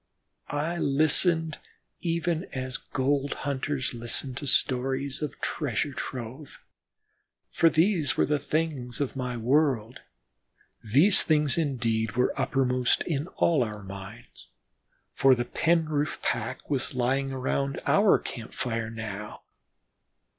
I listened even as gold hunters listen to stories of treasure trove, for these were the things of my world. These things indeed were uppermost in all our minds, for the Penroof pack was lying around our camp fire now.